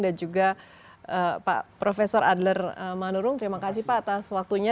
dan juga profesor adler manurung terima kasih pak atas waktunya